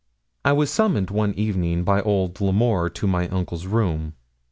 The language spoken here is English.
I was summoned one evening by old L'Amour, to my uncle's room.